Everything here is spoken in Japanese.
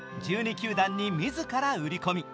球団に自ら売り込み。